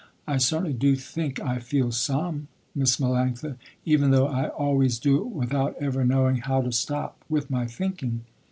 I certainly do think I feel some, Miss Melanctha, even though I always do it without ever knowing how to stop with my thinking."